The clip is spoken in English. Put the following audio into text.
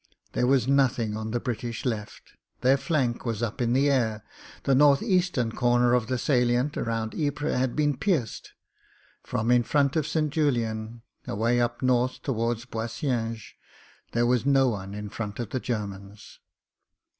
There was nothing on the British left — ^their flank was up in the air. The north east comer of the salient round Ypres had been pierced. From in frcxit THE MOTOR GUN 35 of St. Julian, away up north towards Boesienge, there was no one in front of the Germans.